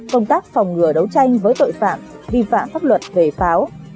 công tác phòng ngừa đấu tranh với tội phạm vi phạm pháp luật về pháo